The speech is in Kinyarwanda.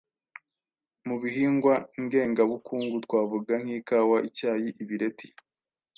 Mu bihingwa ngengabukungu twavuga nk’ikawa, icyayi, ibireti,..